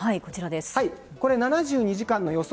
７２時間の予想